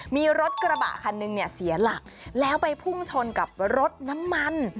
มีรถกระบะคันหนึ่งเนี่ยเสียหลักแล้วไปพุ่งชนกับรถน้ำมัน